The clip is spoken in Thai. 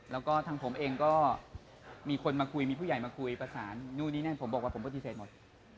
แล้วก็ทั้งผมเองก็มีผู้ใหญ่มาคุยประสานโน้นนี้เนี่ยผมบอกว่าปฏิเสธหมด